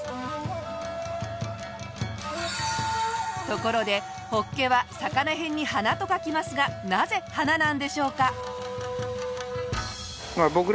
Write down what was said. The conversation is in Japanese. ところでホッケは魚偏に花と書きますがなぜ花なんでしょうか？